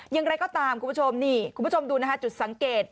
อย่างไรก็ตามคุณผู้ชมนี่คุณผู้ชมดูนะคะจุดสังเกต